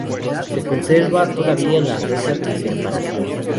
Se conserva todavía la reja de separación.